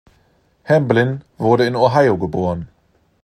Hamblin wurde in Ohio geboren.